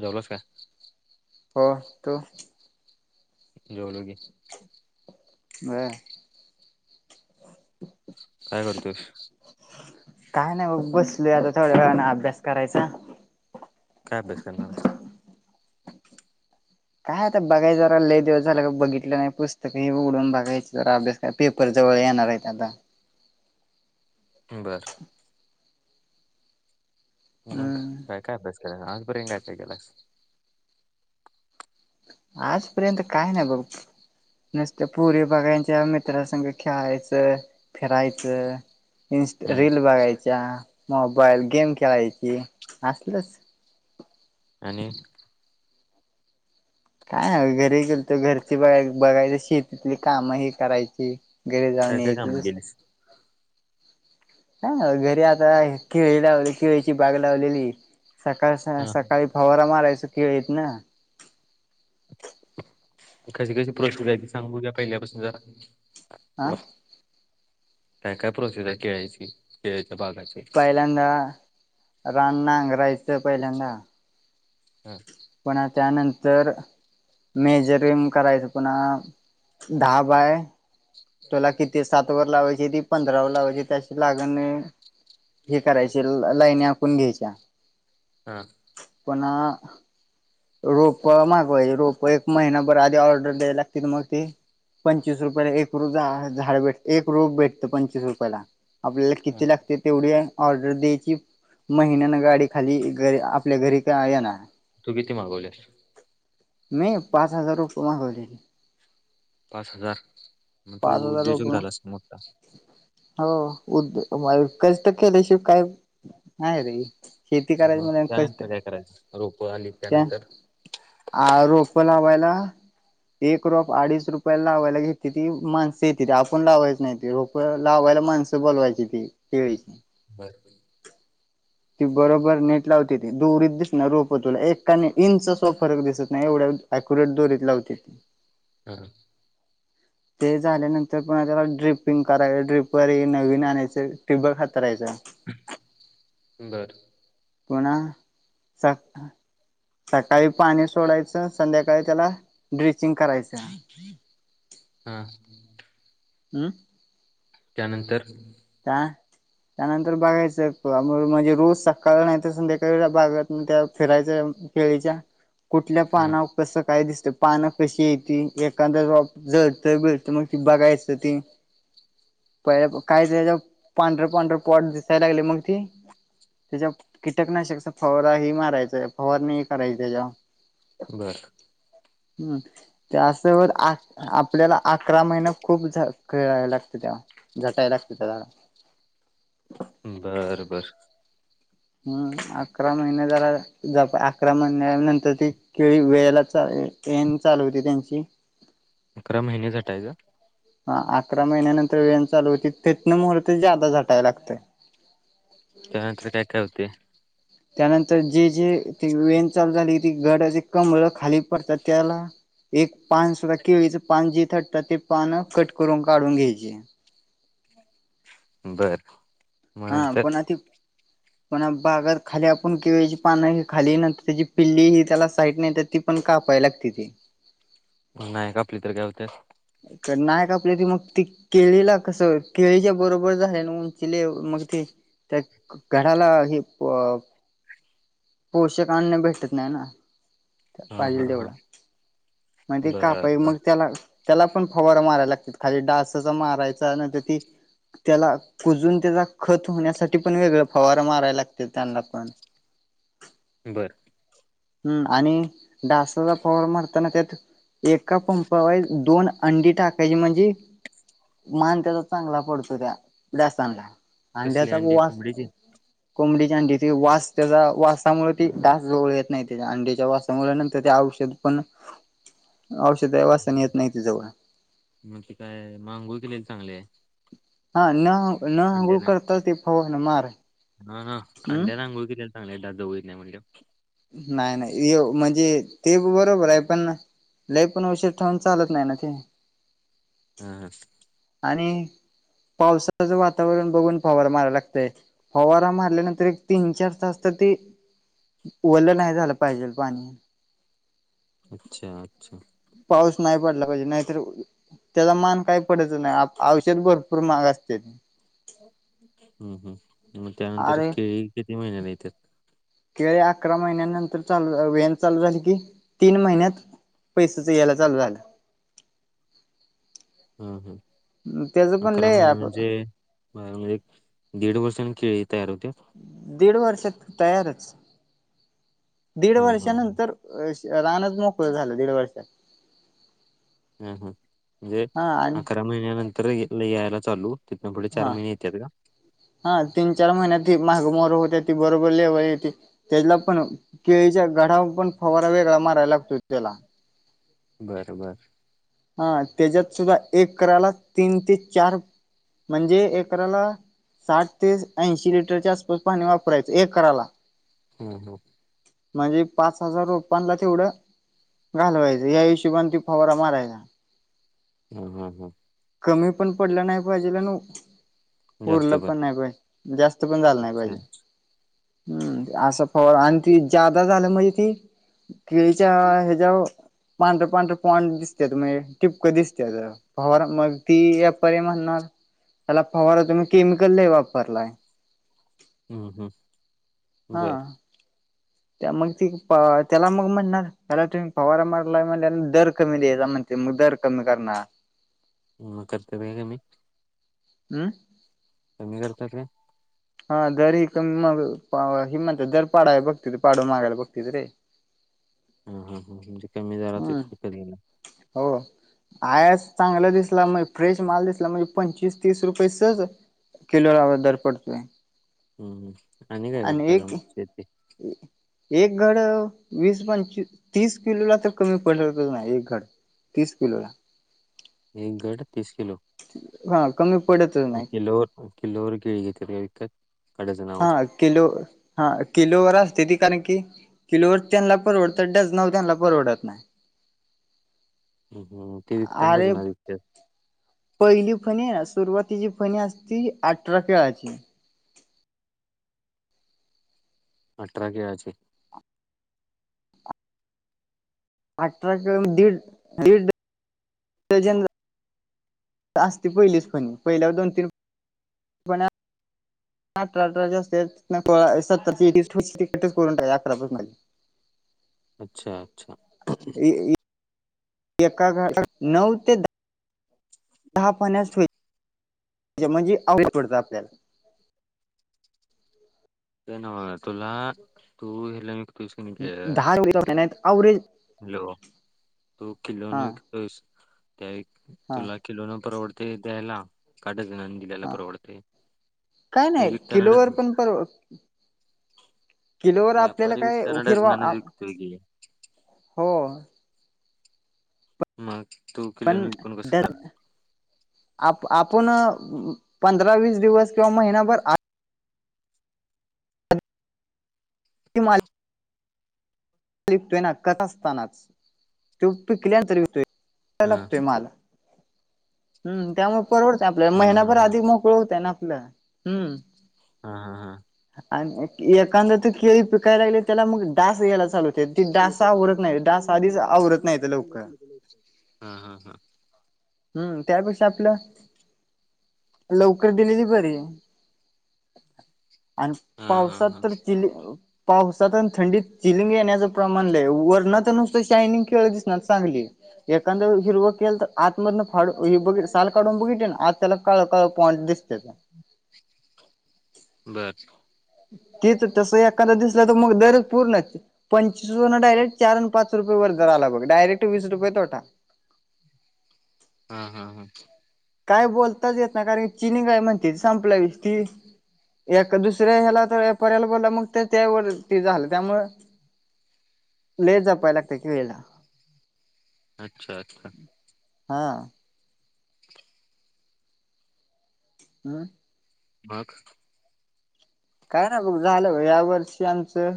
जेवलास का? हो तू जेवलो की बर काय करतोस? काय नाही मग बसली आता थोड्या वेळा अभ्यास करायचा. काय अभ्यास करणार आहेस? काय आता बघाय जरा लई दिवस झालं बघितलं नाही पुस्तकही उघडून बघायच जरा अभ्यास पेपर जवळ येणार आहेत आता. बर मग हम्म काय? काय? अभ्यास केलास आजपर्यंत काय केलास? आजपर्यंत काय नाही बघ? नुसत पोरी बघायच्या मित्रांसंग खेळायचं फिरायचं इंस्ट हम्म रील बघायच्या मोबाईल, गेम खेळायचा की असलच आणि काय ह घरी गेल तो घरची बघा बघायच शेतीतली काम ही करायची घरी काय जाऊन काय कामं यायच केलीस? हा घरी आता केळी लावली केळीची बाग लावलेली. सकाळ हा सकाळी फवारा मारायच केळीतन. कसे कसे प्रश्न कायचे सांग बघू पहिल्यापासून जरा आं.. काय काय प्रोसेस आहे केळ्यांसनी पहिल्यांदा रान नांगरायचं पहिल्यांदा हा पण त्यानंतर मेजरिंग करायचं पुन्हा दहा बाय तुला किती सात वर लावायच पंधरा लावायची त्या शिवाय लाग हे करायची लाइन्या आखून घ्यायच्या हा पुन्हा रोप मागवायची रोपं एक महिनाभर आधी ऑर्डर द्याय लागते मग ती पंचवीस रुपयाला एक रोज झाड भेट एक रोज भेटतं पंचवीस रुपयाला. आपल्याला हा किती लागते तेवढी ऑर्डर द्यायची महिन्यान गाडी खाली घरी आपल्या घरी का आहे ना तू किती मागवलेस? मी पाच हजार रोपे मागवलेली पाच हजार मग तो पाच हजार उद्योजक रुपये झाला अस मोठ्ठा हो उदयो तर केल्याशि काय नाही रे शेती करायची म्हण कष्ट त्यानंतर काय करायचं रोपं आली त्या त्यानंतर? रोप लावायला एक रोप अडीच रुपय लावायला घेते ती माणस येते आपण लावायच नाही रोप लावायला माणसं बोलवायची ती [unintelligible] [unintelligible] ती बरोबर नेट लावते ती दुरीत दिस ना रोप तुला एकाने इंच सुद्धा फरक दिसत नाही एवढ्या अक्युरेट दोरीत लावते. ह ह [inaudible] ते झाल्यानंतर पण त्याला ड्रिपिंग कराय ड्रिपर हे नवीन आणायचं ट्यूबवेल हातरायचं. बर पुन्हा स सकाळी पाणी सोडायचं. संध्याकाळी त्याला ड्रेसिंग करायचं. हा हमम त्यानंतर का त्यानंतर बघायचं म्हणजे रोज सकाळ नाहीतर संध्याकाळ बागेतन फिरायचं. खेळीच्या कुठल्या हा पाना कस काय दिसत पानं कशी येती एखादा जळत भळत मग त बघायचं ती. पहिले काय त्याच्या पांढर पांढरं पॉट दिसायला लागले मग ती त्याच्या कीटकनाशकस फवार ह मारायचा फवार नाही करायचे त्याच्याव्हा बर हम्म त्याबत आपल्याला अकरा महिन खूप खेळायला लागते त्या झटायला लागत त्या झाडा बरबर हम्म आका अकरा महिन झाला ज अकरा महिन्या नंतर ती केळी वेळेला येन चालू होती. त्यांची अकरा महिने झटायचं? हा अकरा महिन्यानंतर व्यायाम चालू होती तेथन मुहर्त जा्यादा झटायला लागत. त्यानंतर काय काय होते? त्यानंतर जे जे वेन चालू झाली ती गडचे कमळ खाली पडतात त्याला एक पान सुद्धा केळीच पान जे थटतात ते पान कट करून काढून घ्यायचे. बरं हा पण अ पण बागात खाली आपण केळीची पानं खाली त्याची पिल्ली ही त्याला साईट नाही तर ती पण का पाय लागती ती नाही का आपली तर गवते नायक आपल्या त मग त केळीला कस केळीच्या बरोबर झाले ना उंचिले मग ते त्या घराला हे पोषक आणणे भेटत नाही ना. हा हा पाहिजेल हा तेवढा मग ते बर कापाई मग बर त्याला त्याला पण फवारा मारायला लागतात खाली डासच मारायचा नंतर ती त्याला पुजून त्याचा खत होण्यासाठी पण वेगळ फवार माराय लागते त्यांना पण ह बर हम्म आणि डासाचा फवार मारताना त्यात एका पंपा वाईज दोन अंडी टाकायची म्हणजे मान त्याचा चांगला पडतो त्या वडासांला. कसली अंड्याचा अंडी पवास कोंबडीची कोंबडीच्या अंडीची वास त्याचा वासामुळे ती डास जवळ येत नाही त्याच्या अंडीच्या वासामुळे नंतर ते औष औषध पण औषध वा असताना येत नाहीती जवळ मग ते काय मांगू केलेले चांगले आहे. हा न न आंघोळ करता ते फवरण मार. ह ह हम्म अंड्याला आंघोळ कितीला चांगले द जाव येत नाही म्हणजे नाही नाही म्हणजे ते बरोबर आहे पण लई पण औषध ठेवून चालत नाही ना ते. हम ह [unintelligible] पावसाचं वातावरण बघून फवारा माराला लागतोय फवारा मारल्यानंतर एक तीन चार तास तर ते उरलं नाही झालं पाहिजेल पाणी अच्छा अच्छा पाऊस नाही पडला पाहिजे नाहीतर त्याचा मान काय पडत आयुष्यात भरपूर महाग असते हम्म हम् मग त्यानंतर केळी किती महिन्या नाही इत केळ अकरा महिन्या नंतर चालू वेन चालू झाली की तीन महिन्यात पैसेच यायला चालू झालं हम हम त्याच पण अकरा लय महिने म्हणजे बारा म्हणजे दीड वर्षांनी खळत दीड वर्षातू तयारच दीड हा हा वर्षानंतर रानच मोकळ झालं दीड वर्ष ह हा म्हणजे अकरा महिन्या नंतर यायला चालू तिथनं पुढे हा चार महिने येतात का हा तीन चार महिन्यात महाग मोर होते बरोबर लेवल येते त्याच्याला पण केळीच्या गडावर पण फवारा वेगळा मारायला लागतो त्याला ह बर, बर, ह त्याच्यात सुद्धा एकराला तीन ते चार म्हणजे एकरालाऽऽ साठ ते ऐंशी लिटरच्या आसपास पाणी वापराय,, चं एकराला. हम हम, म्हणजे पाच हजार रोपांला तेवढंऽऽ घालवायचं या हिशेबान ते फवारा मारायचा,, हा, हा, हा कमी पण पडलं नाही पाहिजेल, नऽऽ उरलं पण नाही पायजे, जास्त पण झालं नाही अच्छा पायजे, हम्म, असं फव आणि ती जादा झालं म्हणजे तीऽऽ केळीच्या हेजावऽऽ पांढरं पांढर पॉड दिसत्यात,, म्हणजे टिपकं दिसत पवारऽऽ मग ती यापारी म्हणणारऽऽ त्याला फवारा तुम्ही केमिकल लय वापरलाय, हम्म, हम्म, बर हां, त्या मग ती, त्याला मग म्हणणार, त्याला तुम्ही पवारा मारला म्हणून दर कमी द्यायचा, म्हणऽऽ ते मग दर कमी करणार. म म करत बेग मी. हमम, कमी करतात काय? हा दर एकदम, हि,,, दर पाडाय आहे बघत पाडू मागाला बघतित रे. ह [unintelligible] हा हा हा म्हणजे कमी झालं, ते फ कधी नाऽऽ आयस,, चांगला दिसला मग, फ्रेश माल दिसला मग पंचवीस तीस रुपये सजऽऽ किलो लाव दर पडतोय. हम्म आणि काय करतय का? शेतीऽ एक घड वीस पं तीस किलो ला तर कमी, पड श ना एक घडऽऽ तीस किलोला,, एक घड तीस किलो. हा, कमीऽऽ किलोवर, किलोवर केळी घेतली तरऽऽ हा, किलो हा किलोवर असते ती कारण की किलोवर त्यांना परवडत, डजनावर त्यांना परवडत नाही. हम्म, हम्म. ते विकताना अरे, डझनावर विकतात पहिली पणी सुरुवात. तिची फणी असती, अठरा पिळाची. अठरा केळंचे. अठरा केळ दीड-दीड डजन, झाले. असती पहिलीच फणी, पहिल्यावर दोन तीन फण्या. अठरा-अठरा च्या असत्यात, सत्तरची तिकटच करून टा अकरापासूनली. अच्छा अच्छा एका घाटात नऊ ते दहा. दहा फण्यास म्हणजे, आवघड पडत आपल्याला. ते नावं,, तुला तू हे लई. दहा आवरेज. हॅलो तू हा कीलोने विकतोयस. ते हा तुला किलो न परवडतय द्यायला का डझनाने दिल्याला हा,, परवडते काय ते नाही विकताना किलोवरर पण परव किलोवर आपल्याला व्यापारी काय विकताना उखेरवा, डझनानच विकतोय की हो. मग. तू पण किलोने विकून कसं दर चालेल आप-आपण. पंधरा-वीस दिवस किंवा महिनाभर आ हि माल. लिहतोय ना. कथ असतानाच ते पिकल्यांतर लिहतोय. बघाय हा लागतोय मला. हम् त्यामुळे परवडत आपल्याला. हा हा महिनाभर हा अधिक मोकळ होतय ना आपलं हम्म. हा. हा. हा. आणि एखादा तू केळी पिकाय लागली. त्याला मग डाग यालाच. ती डसा आवरत नाही. डासा आधीच आवरत नाही लोक. हा हा हा हम्म त्यापेक्षा आपलं. लवकर दिलेली बरी. आणि हा हा हा पावसात हा तर चि पाऊस. थंडीत-चिलिंग येण्याचं प्रमाण लई. वरण नुसत शायनिंग खेळ दिसणार चांगली. एखाद्यावेळी हिरव केल तर. आत मधन फाड हे बघ साल काढून बघितलना आत त्याला काळ. पोच दिसते. बर तीच तस एखादा दिसला तर मग दरच पूर्ण. पंचस र डायरेक्ट चार आणि पाच रुपये. वर ज झाला ब डयेक्ट वीस रुपये तोटा. हा हा. हा. काय बोलताच येत ना कारण चिनी काय म्हणते. संपल्या विषय. एका दुसऱ्या हेयाला तर पर्यायला बोलला. मग त्यावर ते झालं त्यामूळ. लई जपाय लागत की वेळेला. अच्छा-अच्छा. हा. आम [unintelligible] भाघ. काय नाही बघ झालं या वर्षी आमचं.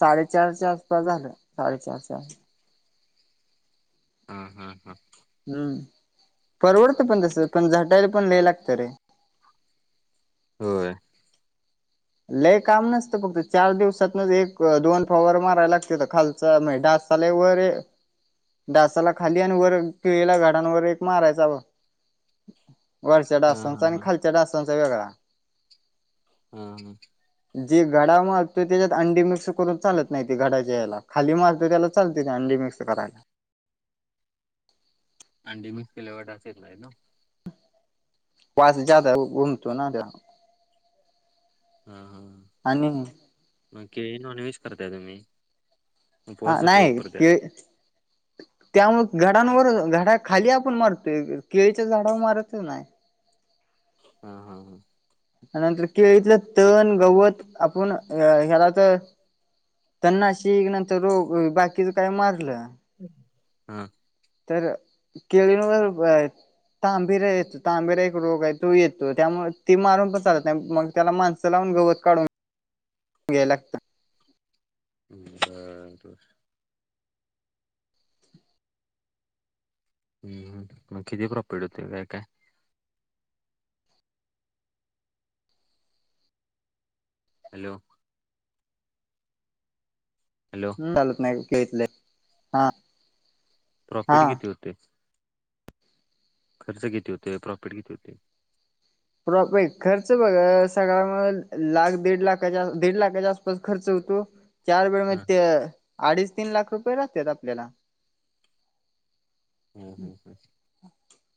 साडेचारच्या आसपास झालं साडेचारच्या. हा. हा. हा. हम्म परवडतं पण तस पण झटायला पण लिय लागत रे. होय. लय काम नसतं फक्त चार दिवसातनं एक दोन फवारं मारायला लागत्यात, खालचा नाय डा असा लय वर ए डासाला खाली आणि वर केिळीला घाडांवरर एक मारायच व वरच्या हा हा डासांचा आणि हा खालच्या डासांचा वेगळा ह जे घडा मारतो त्याच्यात अंडी मिक्स करून चालत नाही ते घडा ज्याला खाली मारतो त्याला चालते अं मिक्स कराला अंडी मिक्स केल्या वाट असच नाही ना पास जदा घुमतो ना दे हा हा मग के नॉन विश करताय तुम्ही हा उपवासासाठी नाही वापरत्यात त्यामु घडांवर झाडा खाली आपण मारतोय केळीच्या झाडा मारतच नाही हा हा हा नंतर केळीतलं तण गवत आपण ह्यालाच तन्ना श नंतर रोग बाकीच काय मारलं हम तर केळीनर तांबिर येत तांबिरा एक रोग आहे तो येतो त्यामुळे ती मारून पण चालत मग त्याला माणसं लावून वत काढून घ्या लागत ह त हम् मग किती प्रॉफिट होते काय काय हॅलो हॅलो हम् चालत नाही खळले हा प्रॉफिट हा किती होते खर्च किती होते प्रॉफिट किती होते प्रॉप खर्च बघ सगळ लाख दड लाखाच्या दीड लाखाच्या आसपास खर्च तो चार वेळ म हा ते अडीच तीन लाख रुपये लाहतात आपल्याला हम्म हम्म हम्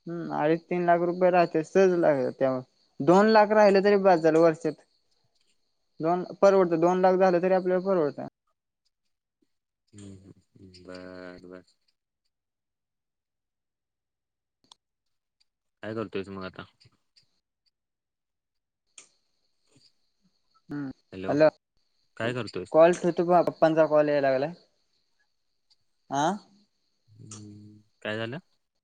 हम अडीच तीन लाख रुपये राहते सहज लागत दोन लाख राहिलं तरी बाद झाल वर्षात दोन परवडतं दोन लाख झालं तरी आपल्याला परवडतं हम्म ह् बर बर काय करतोयच मग आता ब हम्म हॅलो काय करतोयस कॉल्स होत प पप्पांचा कॉल या लागला हं हम् काय झालं